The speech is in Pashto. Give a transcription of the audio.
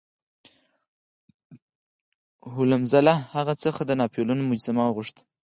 هولمز له هغه څخه د ناپلیون مجسمه وغوښته.